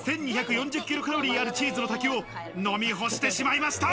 キロカロリーあるチーズの滝を、飲み干してしまいました。